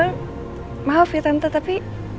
tante maaf ya tante tapi